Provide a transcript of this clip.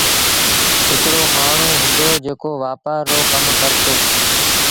هڪڙو مآڻهوٚٚݩ هُݩدو جيڪو وآپآر رو ڪم ڪرتو